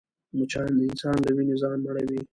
مچان د انسان له وینې ځان مړوي